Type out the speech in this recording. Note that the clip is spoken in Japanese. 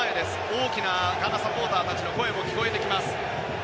大きなガーナサポーターたちの声も聞こえてきます。